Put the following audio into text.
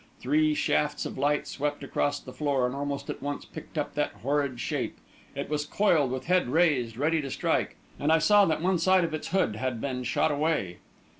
Three shafts of lights swept across the floor, and almost at once picked up that horrid shape. It was coiled with head raised, ready to strike, and I saw that one side of its hood had been shot away.